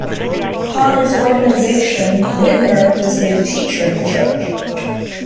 Upon its organization, Whitmer was made a teacher in the church.